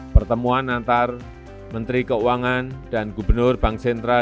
pertemuan antar menteri keuangan dan gubernur bank sentral